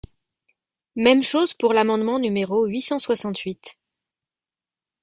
Même chose pour l’amendement numéro huit cent soixante-huit.